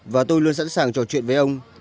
và tôi luôn sẵn sàng trò chuyện với ông